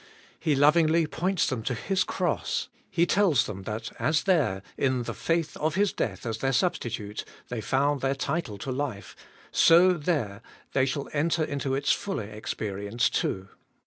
He lovingly points them to His cross. He tells them that as there, in the faith of His death as their substitute, they found their title to life, so there they shall enter into its fuller experience too.